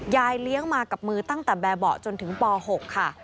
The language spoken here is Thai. ยายเลี้ยงมากับมือตั้งแต่แบบเบาะจนถึงป๖ค่ะ